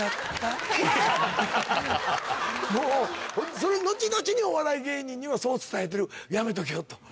もうそれで後々にお笑い芸人にはそう伝えてる「やめとけよ」と。